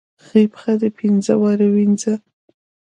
خۍ خپه دې پينزه وارې ووينزه.